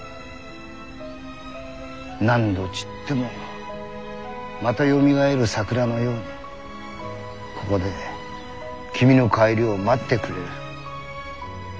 何度散ってもまたよみがえる桜のようにここで君の帰りを待ってくれる。